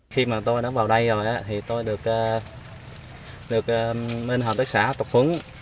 khi mà tôi đã vào đây rồi thì tôi được hợp tác xã tập hướng